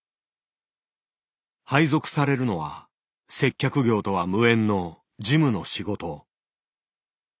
配属されるのは接客業とは無縁の事務の仕事。